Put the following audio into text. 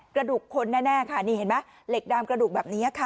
กระดูกคนแน่ค่ะนี่เห็นไหมเหล็กดามกระดูกแบบนี้ค่ะ